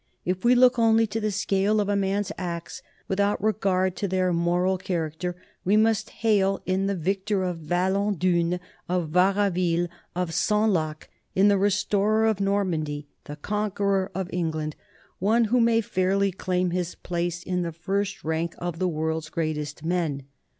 If we look only to the scale of a man's acts without regard to their moral character, we must hail in the victor of Val es dunes, of Varaville, and of Senlac, in the restorer of Normandy, the Conqueror of England, one who may fairly claim his place in the first rank of the world's greatest men.